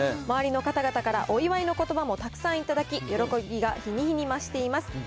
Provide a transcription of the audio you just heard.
周りの方々からお祝いのことばもたくさん頂き、喜びが日に日に増しています。